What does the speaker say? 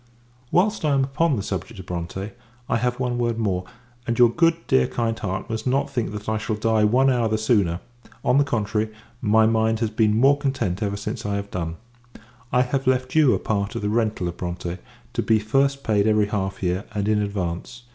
Whilst I am upon the subject of Bronte, I have one word more and your good, dear, kind heart, must not think that I shall die one hour the sooner; on the contrary, my mind has been more content ever since I have done: I have left you a part of the rental of Bronte, to be first paid every half year, and in advance.